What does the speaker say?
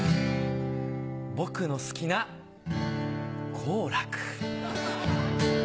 「僕の好きな好楽」。